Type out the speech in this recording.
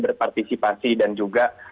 berpartisipasi dan juga